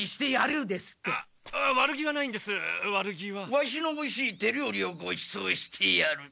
ワシのおいしい手料理をごちそうしてやる。